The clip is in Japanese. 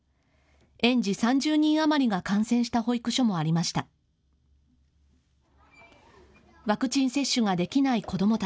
園児３０人余りが感染した保育所もありました。